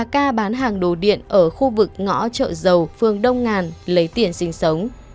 hàng ngày bà ca bán hàng đồ điện ở khu vực ngõ chợ giàu phương đông ngàn lấy tiền sinh sống